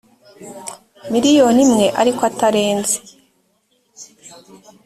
miliyoni imwe ariko atarenze